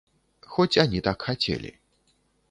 Хоць ані так хацелі.